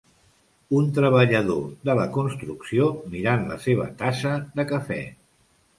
Un treballador de la construcció mirant la seva tassa de cafè.